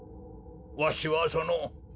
わしはその。